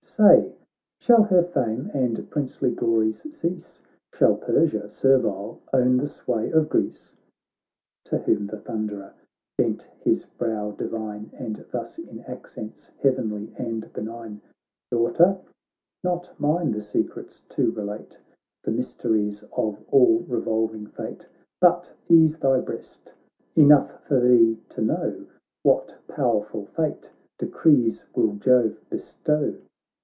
Say, shall her fame and princely glories cease ? Shall Persia, servile, own the sway of Greece ?' To whom the Thunderer bent his brow divine, Andthusinaccentsheavenlyandbenign: ' Daughter, not mine the secrets to relate. The mysteries of all revolving fate. But ease thy breast ; enough for thee to know. What powerful fate decrees will Jove bestow